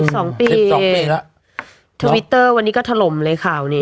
สองปีปีสองปีแล้วทวิตเตอร์วันนี้ก็ถล่มเลยข่าวนี้